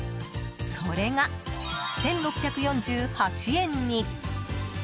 それが、１６４８円に。